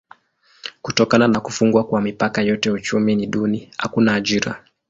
Kutokana na kufungwa kwa mipaka yote uchumi ni duni: hakuna ajira.